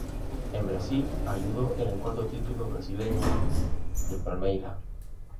En Brasil ayudó en el cuarto título brasileño del Palmeiras.